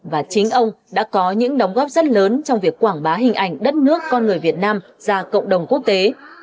và chính ông đã có những đóng góp rất lớn trong việc quảng bá hình ảnh đất nước con người việt nam ra cộng đồng quốc tế